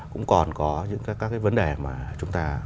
cũng còn có các vấn đề mà chúng ta